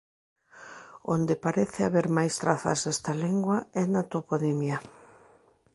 Onde parece haber máis trazas desta lingua é na toponimia.